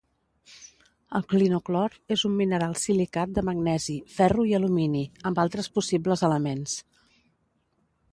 El clinoclor és un mineral silicat de magnesi, ferro i alumini, amb altres possibles elements.